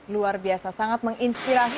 luar biasa sangat menginspirasi